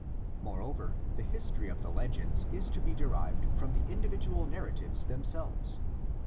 Moreover, the history of the legends is to be derived from the individual narratives themselves.